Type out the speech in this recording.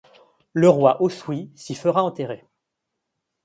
Le roi Oswiu s’y fera enterrer.